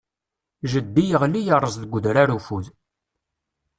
Jeddi yeɣli yeṛṛez deg udrar ufud.